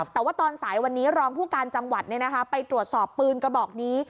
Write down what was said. แต่ว่าตอนสายวันนี้รองผู้การจังหวัดไปตรวจสอบปืนกระบอกนี้